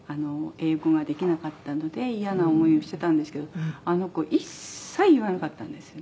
英語ができなかったのでイヤな思いをしてたんですけどあの子一切言わなかったんですよね」